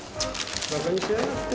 バカにしやがって。